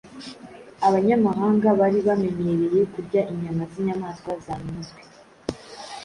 abanyamahanga bari bamenyereye kurya inyama z’inyamaswa zanizwe